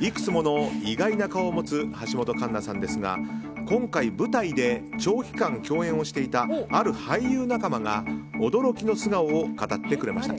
いくつもの意外な顔を持つ橋本環奈さんですが今回、舞台で長期間共演をしていたある俳優仲間が、驚きの素顔を語ってくれました。